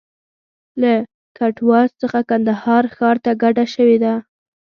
له کټواز څخه کندهار ښار ته کډه شوی و.